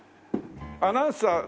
アナウンサー